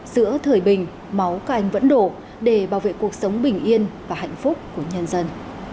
giữa thời bình máu cành vẫn đổ để bảo vệ cuộc sống bình yên và hạnh phúc của nhân dân